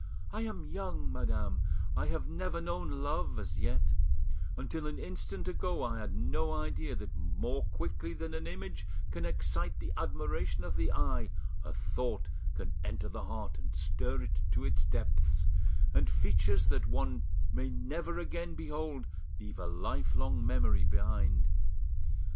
I am young, madam, I have never known love as yet—until an instant ago I had no idea that more quickly than an image can excite the admiration of the eye, a thought can enter the heart and stir it to its depths, and features that one may never again behold leave a lifelong memory behind.